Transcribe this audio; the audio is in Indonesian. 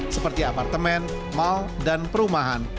seperti apartemen mal dan perumahan